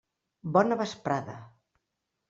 Bona vesprada.